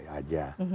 ya beda aja